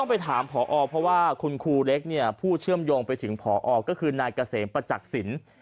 เพราะว่าคุณคูลเล็กผู้เชื่อมโยงไปถึงผอก็คือนายเกษมประจักษ์สิน